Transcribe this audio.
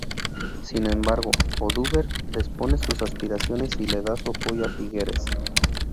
Sin embargo, Oduber depone sus aspiraciones y le da su apoyo a Figueres.